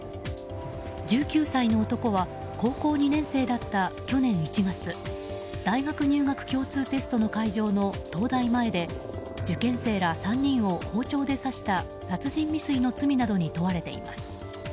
１９歳の男は高校２年生だった去年１月大学入学共通テストの会場の東大前で受験生ら３人を包丁で刺した殺人未遂の罪などに問われています。